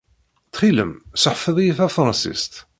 Ttxil-m, seḥfeḍ-iyi tafransist.